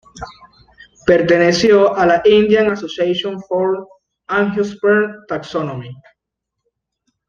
Perteneció a la "Indian Association for Angiosperm Taxonomy".